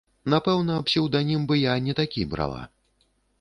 Напэўна, псеўданім бы я не такі брала.